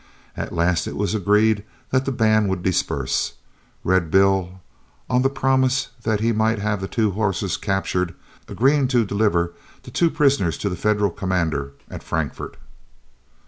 At last it was agreed that the band would disperse, Red Bill, on the promise that he might have the two horses captured, agreeing to deliver the two prisoners to the Federal commander at Frankfort.